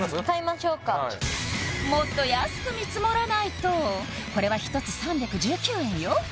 もっと安く見積もらないとこれは１つ３１９円よ